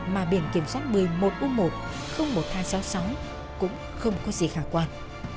mà biển kiểm soát một mươi một u một một nghìn hai trăm sáu mươi sáu cũng không có gì khả quan